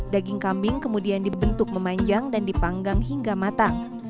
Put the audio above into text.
daging kambing kemudian dibentuk memanjang dan dipanggang hingga matang